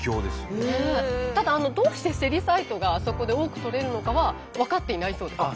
ただどうしてセリサイトがあそこで多く採れるのかは分かっていないそうです。